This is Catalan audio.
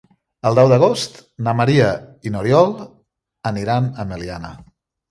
El deu d'agost na Maria i n'Oriol aniran a Meliana.